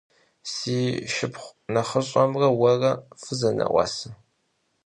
Si şşıpxhu nexhış'emre vuere fızene'uase?